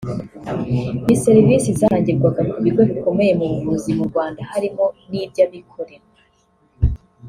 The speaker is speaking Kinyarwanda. ni serivisi zatangirwaga ku bigo bikomeye mu buvuzi mu Rwanda harimo n’iby’abikorera